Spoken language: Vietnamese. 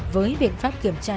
với biện pháp kiểm tra